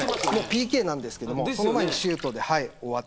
ＰＫなんですけどその前にシュートで終わった。